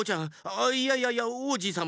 あいやいやいやおうじさま。